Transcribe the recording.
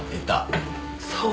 そう？